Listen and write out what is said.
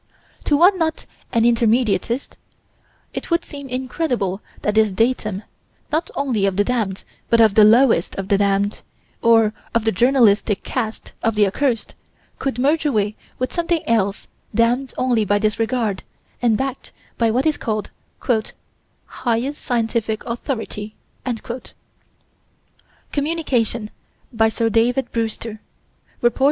To one not an intermediatist, it would seem incredible that this datum, not only of the damned, but of the lowest of the damned, or of the journalistic caste of the accursed, could merge away with something else damned only by disregard, and backed by what is called "highest scientific authority" Communication by Sir David Brewster (_Rept.